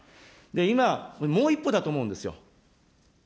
今、もう一歩だと思うんですよ。